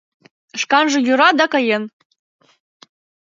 Шканже йӧра, да каен.